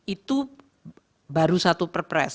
itu baru satu perpres